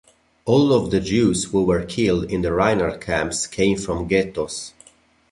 All of the Jews who were killed in the Reinhard camps came from ghettos.